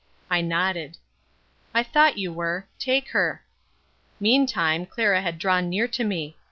I nodded. "I thought you were. Take her." Meantime Clara had drawn nearer to me.